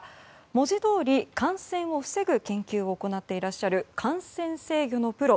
文字どおり感染を防ぐ研究を行っていらっしゃる感染制御のプロ